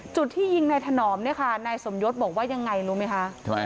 ที่ยิงนายถนอมเนี่ยค่ะนายสมยศบอกว่ายังไงรู้ไหมคะ